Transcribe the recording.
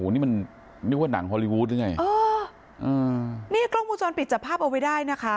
นี่มันเหมือนหนังฮอลลีวูธด้วยไงนี่กล้องมูลจรปิดจับภาพเอาไว้ได้นะคะ